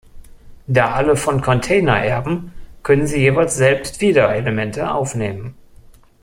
Da alle von Container erben, können sie jeweils selbst wieder Elemente aufnehmen.